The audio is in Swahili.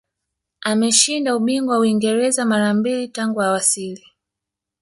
ameshinda ubingwa wa uingereza mara mbili tangu awasili